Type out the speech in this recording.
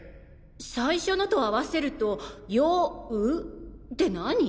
最初のと合わせると「よ・う」って何？